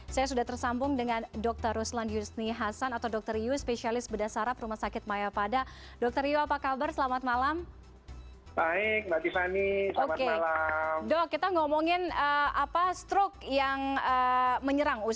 saya sudah tersambung dengan dr ruslan yusni hasan atau dr yu spesialis berdasar rumah sakit mayapada